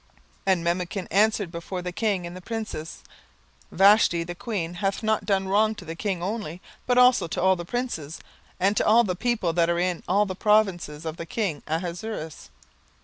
17:001:016 And Memucan answered before the king and the princes, Vashti the queen hath not done wrong to the king only, but also to all the princes, and to all the people that are in all the provinces of the king Ahasuerus.